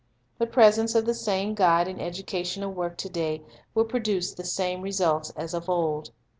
The presence of the same Guide in educational work to day will produce the same results as of old.